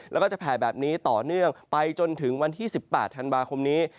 แล้วก็จะแผ่แบบนี้ต่อเนื่องไปจนถึงวันที่๑๘ธันวาคมนี้